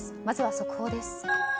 まずは速報です。